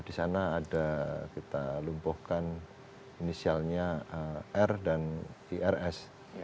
di sana ada kita lumpuhkan inisialnya r dan irs